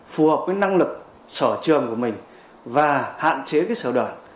phù hợp với năng lực sở trường của mình và hạn chế cái sở đoạn